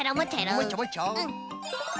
もういっちょもういっちょ。